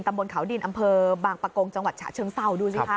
บนเขาดินอำเภอบางปะโกงจังหวัดฉะเชิงเศร้าดูสิคะ